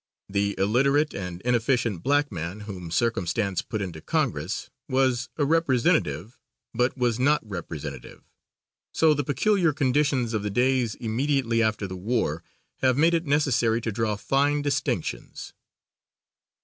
The illiterate and inefficient black man, whom circumstance put into Congress, was "a representative" but was not representative. So the peculiar conditions of the days immediately after the war have made it necessary to draw fine distinctions.